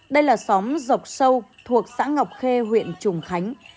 đây là xóm dọc sâu thuộc xã ngọc khê huyện trùng khánh